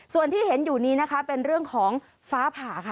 ส่วนที่เห็นอยู่นี้นะคะเป็นเรื่องของฟ้าผ่าค่ะ